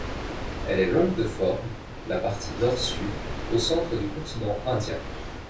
Elle est longue de forme la partie nord-sud, au centre du continent Indien.